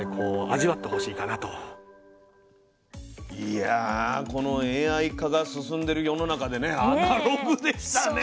いやこのＡＩ化が進んでる世の中でねアナログでしたね。